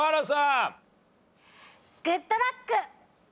グッドラック！